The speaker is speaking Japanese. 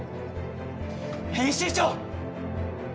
編集長！